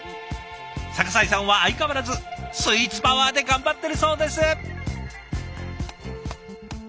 逆井さんは相変わらずスイーツパワーで頑張ってるそうです。